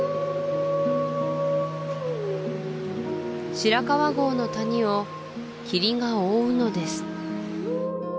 白川郷の谷を霧が覆うのです